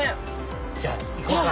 じゃあ行こうか！